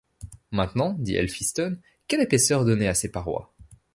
Maintenant, dit Elphiston, quelle épaisseur donner à ses parois.